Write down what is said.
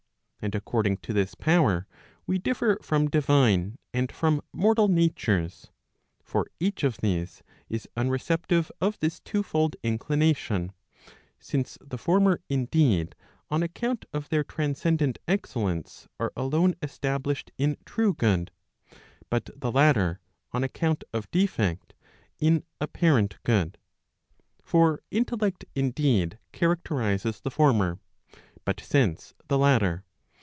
And according to this power, we differ from divine, and from mortal natures; for each of these is unreceptive of this twofold inclination; since the former, indeed, on account of their transcendent excellence are alone established in true good; but the latter on account of defect, in apparent Proc. Vo l. II. 3 P Digitized by t^OOQLe 482 ON PROVIDENCE good. For intellect indeed characterizes the former, but sense the latter.